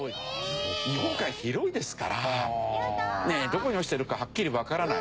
日本海広いですからどこに落ちてるかはっきりわからない。